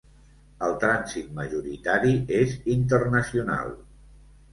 El trànsit majoritari és internacional: